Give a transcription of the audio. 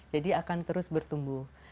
jadi akan terus bertumbuh